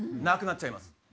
なくなっちゃいます。